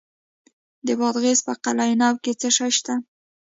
د بادغیس په قلعه نو کې څه شی شته؟